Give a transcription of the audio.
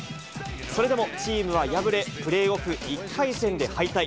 それでもチームは敗れ、プレーオフ１回戦で敗退。